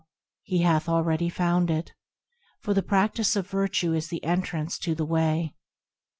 he hath already found it, For the practice of virtue is the entrance to the Way.